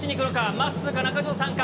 まっすーか、中条さんか。